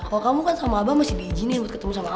kalo kamu kan sama abah masih di izinin buat ketemu sama aku